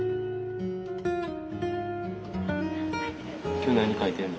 今日何描いてんの？